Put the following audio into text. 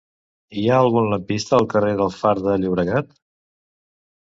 Hi ha algun lampista al carrer del Far de Llobregat?